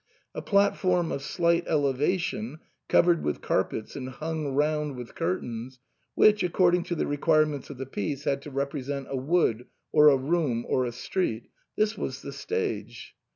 A platform of slight elevation, covered with carpets and hung round with curtains, which, accord ing to the requirements of the piece, had to represent a wood or a room or a street — this was the stage.